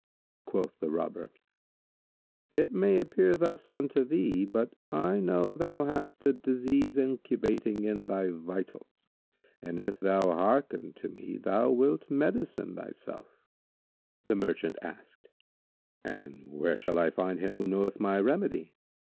Quoth the Robber, "It may appear thus unto thee; but I know thou hast a disease incubating in thy vitals and if thou hearken to me, thou wilt medicine thyself." The Merchant asked, "And where shall I find him who knoweth my remedy?"